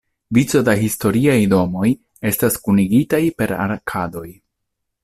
Vico da historiaj domoj estas kunigitaj per arkadoj.